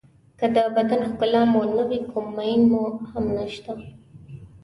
که د بدن ښکلا مو نه وي کوم مېن مو هم نشته.